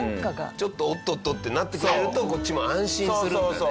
ちょっとおっとっとってなってくれるとこっちも安心するんだよね。